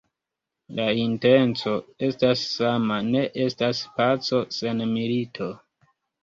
La intenco estas sama: ne estas paco sen milito.